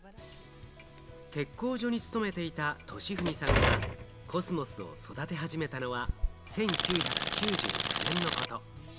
鉄工所に勤めていた俊文さんがコスモスを育て始めたのは１９９９年のこと。